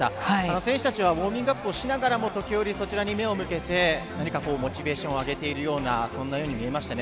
選手たちはウォーミングアップをしながらも、時折、そちらに目を向けて、なにかこう、モチベーションを上げているような、そんなように見えましたね。